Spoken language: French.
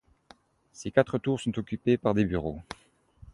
Ces quatre tours sont occupées par des bureaux.